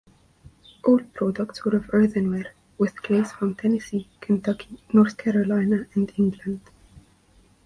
All products were of earthenware, with clays from Tennessee, Kentucky, North Carolina, and England.